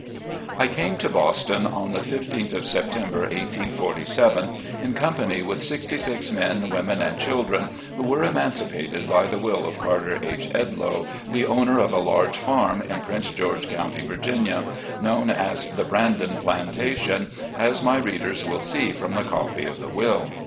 CAME to Boston on the 15th of Septem ber, 1847, in company with sixty six men, women and children, who were emanci pated by the will of Carter H. Edloe, the owner of a large farm in Prince George County, Virginia, known as the Brandon Plantation, as my readers will see from the copy of the will.